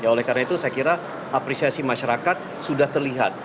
oleh karena itu saya kira apresiasi masyarakat sudah terlihat